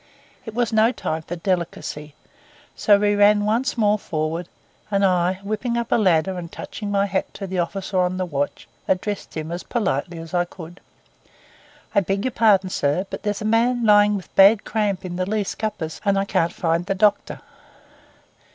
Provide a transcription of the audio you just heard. It was no time for delicacy; so we ran once more forward; and I, whipping up a ladder and touching my hat to the officer of the watch, addressed him as politely as I could— 'I beg your pardon, sir; but there is a man lying bad with cramp in the lee scuppers; and I can't find the doctor.